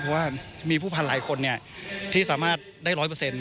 เพราะว่ามีผู้พันหลายคนเนี่ยที่สามารถได้ร้อยเปอร์เซ็นต์